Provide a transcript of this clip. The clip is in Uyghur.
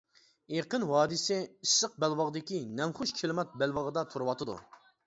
ئېقىن ۋادىسى ئىسسىق بەلباغدىكى نەمخۇش كىلىمات بەلبېغىدا تۇرۇۋاتىدۇ.